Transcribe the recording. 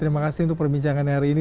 terima kasih untuk perbincangan hari ini